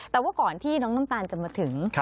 แต่ว่าก่อนที่น้องน้ำตาลจะมาถึง